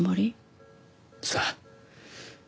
さあ。